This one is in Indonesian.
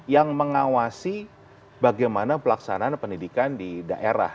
yang mengawasi bagaimana pelaksanaan pendidikan di daerah